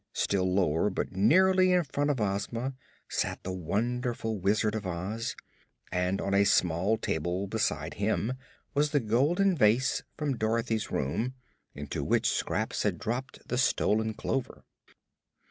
Still lower, but nearly in front of Ozma, sat the wonderful Wizard of Oz and on a small table beside him was the golden vase from Dorothy's room, into which Scraps had dropped the stolen clover.